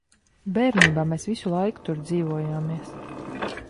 Bērnībā mēs visu laiku tur dzīvojāmies.